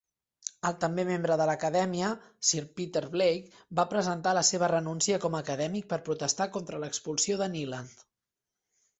El també membre de l'Acadèmia, Sir Peter Blake, va presentar la seva renúncia com a acadèmic per protestar contra l'expulsió de Neiland.